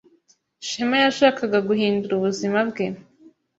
Shema yashakaga guhindura ubuzima bwe.